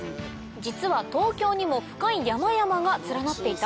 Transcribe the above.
実は東京にも深い山々が連なっていた？